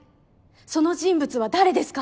その人物は誰ですか？